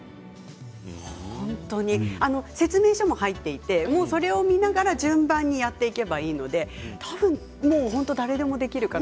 説明書も入っていてもうそれを見ながら順番にやっていけばいいので多分、誰でもできるかな。